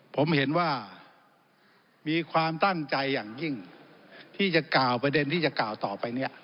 ผมเห็นว่ามีความตั้งใจอย่างยิ่งที่จะกล่าวประเด็นที่จะกล่าวต่อไปเนี่ย